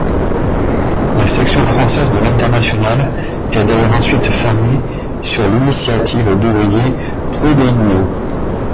La section française de l’Internationale est d’ailleurs ensuite formée sur l’initiative d’ouvriers proudhoniens.